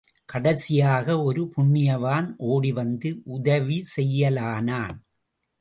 கடைசியாக ஒரு புண்ணியவான் ஓடி வந்து உதவி செய்யலானான்.